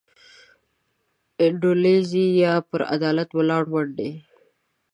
انډولیزي یا پر عدالت ولاړې ونډې.